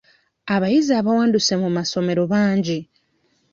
Abayizi abawanduse mu masomero bangi.